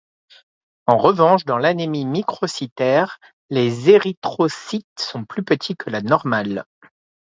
En revanche, dans l'anémie microcytaire, les érythrocytes sont plus petits que la normale.